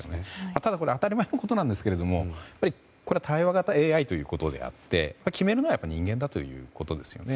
ただ当たり前のことなんですが対話型ＡＩであって決めるのはやっぱり人間ということですよね。